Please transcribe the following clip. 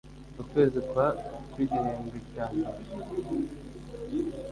Ukwezi kwa kw igihembwe cya mbere